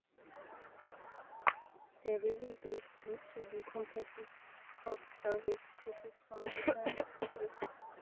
The reredos seems to be a composite of salvaged pieces from different sources.